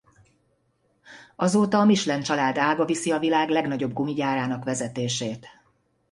Azóta a Michelin család ága viszi a világ legnagyobb gumigyárának vezetését.